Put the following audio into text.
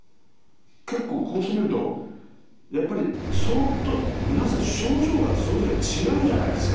結構こうしてみるとやっぱり相当皆さん症状がそれぞれ違うじゃないですか。